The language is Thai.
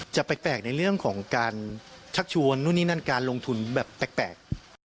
จะแปลกในเรื่องของการชักชวนนู่นนี่นั่นการลงทุนแบบแปลก